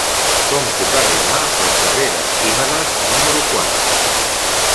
Com puc arribar al carrer d'Arquímedes número quatre?